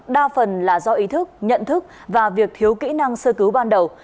đa phần là do ý thức nhận thức và việc thiếu kỹ năng sơ cứu ban đầu